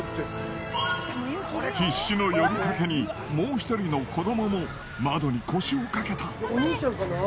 必死の呼びかけにもう１人の子どもも窓に腰を掛けた！